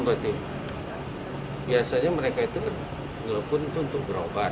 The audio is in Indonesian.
biasanya mereka itu nelfon untuk berobat